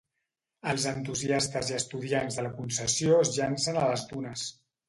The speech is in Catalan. Els entusiastes i estudiants de la concessió es llancen a les dunes.